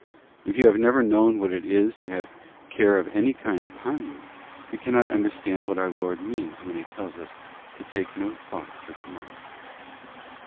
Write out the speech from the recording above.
If you have never known what it is to have care of any kind upon you, you cannot understand what our Lord means when he tells us to take no thought for the morrow."